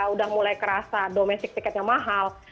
udah mulai kerasa domestic ticketnya mahal